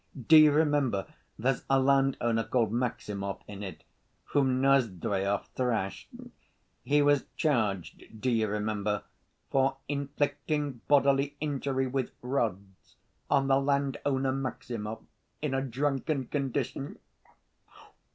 Do you remember, there's a landowner called Maximov in it, whom Nozdryov thrashed. He was charged, do you remember, 'for inflicting bodily injury with rods on the landowner Maximov in a drunken condition.